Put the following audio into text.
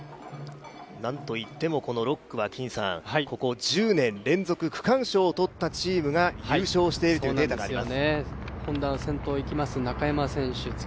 なんといっても６区はここ１０年連続区間賞を取ったチームが優勝しているというデータがあります。